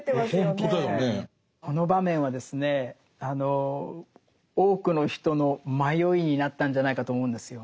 この場面はですね多くの人の迷いになったんじゃないかと思うんですよ。